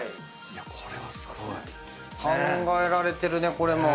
これはすごい。考えられてるねこれも。